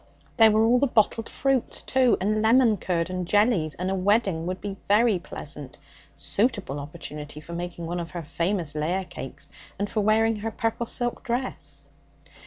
There were all the bottled fruits, too, and lemon curd and jellies; and a wedding would be a very pleasant, suitable opportunity for making one of her famous layer cakes and for wearing her purple silk dress.